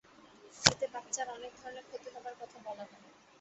এতে বাচ্চার অনেক ধরনের ক্ষতি হবার কথা বলা হয়।